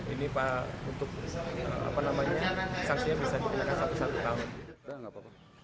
ini untuk sanksinya bisa dikenakan satu satu tahun